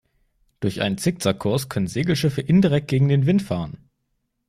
Durch einen Zickzack-Kurs können Segelschiffe indirekt gegen den Wind fahren.